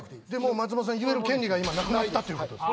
松本さん言える権利が今なくなったということです。